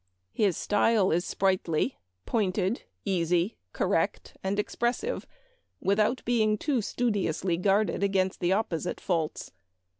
His style is sprightly, pointed, easy, correct, and expressive, without being too studiously guarded against the oppo site faults.